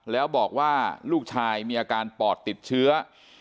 แล้วบอกว่าลูกชายมีอาการปอดติดเชื้อ